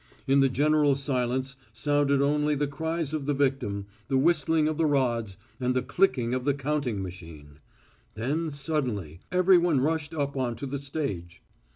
In the general silence sounded only the cries of the victim, the whistling of the rods, and the clicking of the counting machine. Then suddenly everyone rushed up on to the stage.